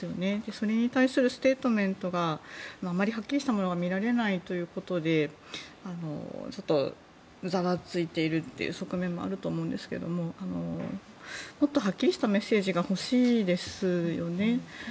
それに対するステートメントがあまりはっきりしたものが見られないということでざわついているという側面もあると思うんですけどもっとはっきりしたメッセージが欲しいですよね。